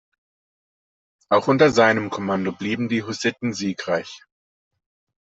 Auch unter seinem Kommando blieben die Hussiten siegreich.